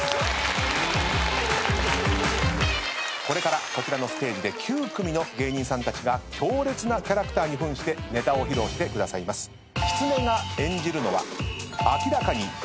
これからこちらのステージで９組の芸人さんたちが強烈なキャラクターに扮してネタを披露してくださいます。